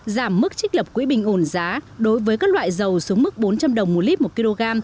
giảm mức trích lập quỹ bình ổn giá đối với các loại dầu xuống mức bốn trăm linh đồng một lít một kg